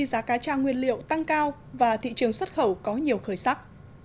giá nguyên liệu tăng cao và thị trường xuất khẩu có nhiều khởi sắc